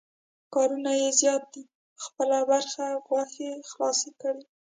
کارونه یې زیات دي، ده خپله برخه غوښې خلاصې کړې.